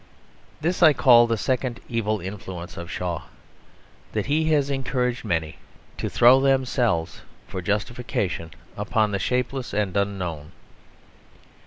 This I call the second evil influence of Shaw: that he has encouraged many to throw themselves for justification upon the shapeless and the unknown.